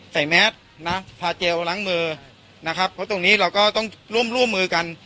แมสนะพาเจลล้างมือนะครับเพราะตรงนี้เราก็ต้องร่วมมือกัน